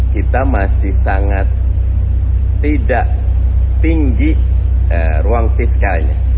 kita masih sangat tidak tinggi ruang fiskalnya